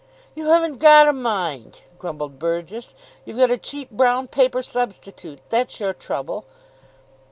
"You haven't got a mind," grumbled Burgess. "You've got a cheap brown paper substitute. That's your trouble."